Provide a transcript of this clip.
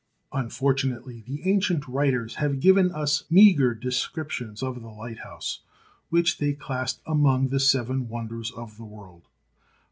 Unfortunately the ancient writers have given us meagre descriptions of the lighthouse which they classed among the Seven Wonders of the World.